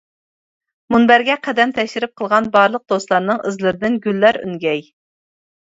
مۇنبەرگە قەدەم تەشرىپ قىلغان بارلىق دوستلارنىڭ ئىزلىرىدىن گۈللەر ئۈنگەي!